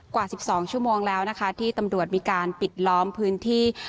กว่า๑๒ชั่วโมงแล้วนะคะที่ตำรวจมีการปิดล้อมพื้นที่